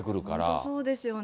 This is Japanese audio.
本当そうですよね。